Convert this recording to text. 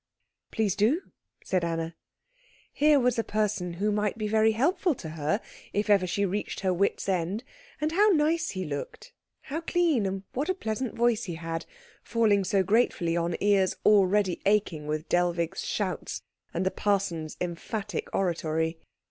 "Please do," said Anna. Here was a person who might be very helpful to her if ever she reached her wits' end; and how nice he looked, how clean, and what a pleasant voice he had, falling so gratefully on ears already aching with Dellwig's shouts and the parson's emphatic oratory.